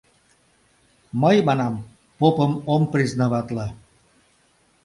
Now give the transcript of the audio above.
— Мый, манам, попым ом признаватле.